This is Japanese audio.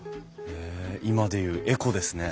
へえ今で言うエコですね。